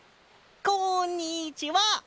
こんにちは！